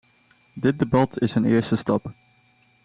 Dit debat is een eerste stap.